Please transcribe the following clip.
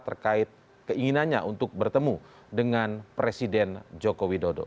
terkait keinginannya untuk bertemu dengan presiden jokowi dodo